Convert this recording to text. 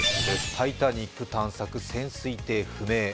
「タイタニック」探索、潜水艇不明。